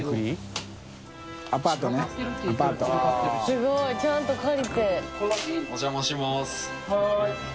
すごいちゃんと借りて。